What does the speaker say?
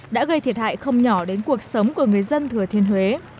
đã gây thiệt hại không nhỏ đến cuộc sống của người dân thừa thiên huế